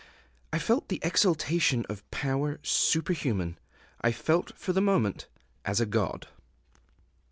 I felt the exultation of power superhuman; I felt for the moment as a god.